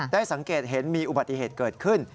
สังเกตเห็นมีอุบัติเหตุเกิดขึ้น